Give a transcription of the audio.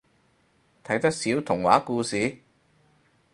睇得少童話故事？